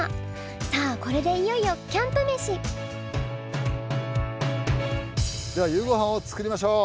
さあこれでいよいよキャンプ飯！では夕ごはんを作りましょう！